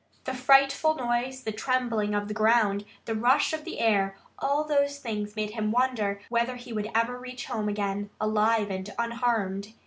The frightful noise, the trembling of the ground, the rush of the air all those things made him wonder whether he could ever reach home again, alive and unharmed.